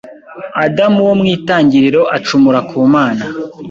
Adamu wo mw'Itangiriro acumura ku Mana